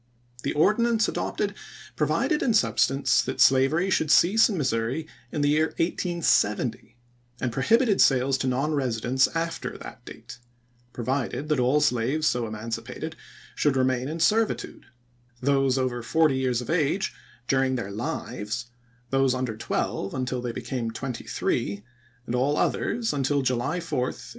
The ordinance adopted provided in substance that slavery should cease in Missouri in the year 1870, and prohibited sales to non residents after that date, provided, that all slaves so emancipated should remain in servitude ; those over forty years of age during their lives ; those under twelve, until they became twenty three ; and all others until July 4, 1876.